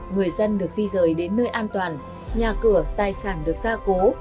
người dân được di rời đến nơi an toàn nhà cửa tài sản được gia cố